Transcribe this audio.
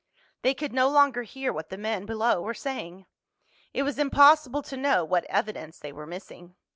They could no longer hear what the men below were saying. It was impossible to know what evidence they were missing.